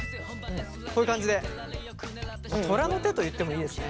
こういう感じで虎の手と言ってもいいですね。